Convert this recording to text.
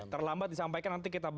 oke terlambat disampaikan